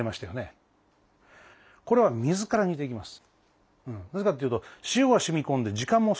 これは水から煮ていきます。